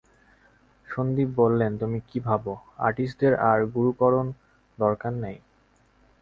সন্দীপ বললেন, তুমি কি ভাব, আর্টিস্টদের আর গুরুকরণ দরকার নেই?